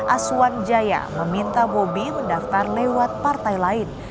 aswan jaya meminta bobi mendaftar lewat partai lain